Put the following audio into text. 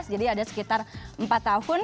jadi ada sekitar empat tahun